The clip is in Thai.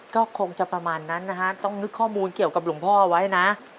ก็คงจะประมาณนั้นนะฮะต้องนึกข้อมูลเกี่ยวกับหลวงพ่อไว้นะ